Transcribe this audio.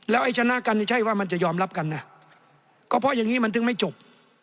ไอ้ชนะกันนี่ใช่ว่ามันจะยอมรับกันนะก็เพราะอย่างนี้มันถึงไม่จบ